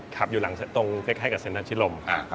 ครับอยู่ตรงใกล้กับเซ็นทรชิรม